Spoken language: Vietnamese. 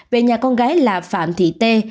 về nhà con gái là phạm thị tê